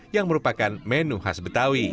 yang merupakan menu khas betawi